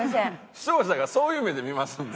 視聴者がそういう目で見ますんで。